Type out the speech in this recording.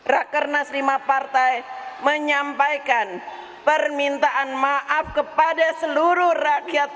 rakernas lima partai menyampaikan permintaan maaf kepada seluruh rakyat